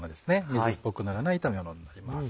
水っぽくならない炒め物になります。